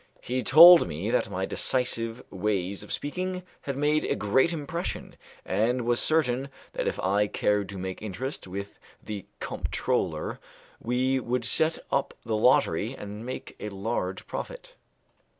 He told me that my decisive way of speaking had made a great impression, and he was certain that if I cared to make interest with the comptroller we could set up the lottery and make a large profit.